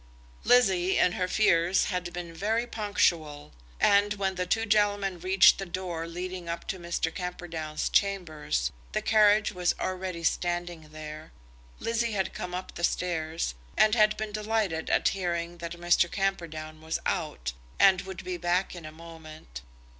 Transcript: Lizzie, in her fears, had been very punctual; and when the two gentlemen reached the door leading up to Mr. Camperdown's chambers, the carriage was already standing there. Lizzie had come up the stairs, and had been delighted at hearing that Mr. Camperdown was out, and would be back in a moment.